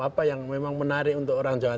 apa yang memang menarik untuk orang jawa